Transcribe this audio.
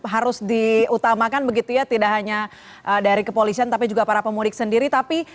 harus diutamakan begitu ya tidak hanya dari kepolisian tapi juga para pemudik sendiri tapi